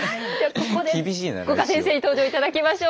ここで五箇先生に登場いただきましょう。